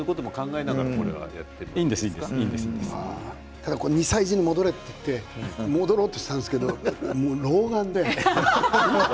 ただ２歳時に戻れと言われて戻ろうとしたんですけど老眼で。